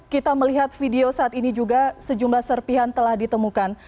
kita melihat video saat ini juga sejumlah serpihan telah ditemukan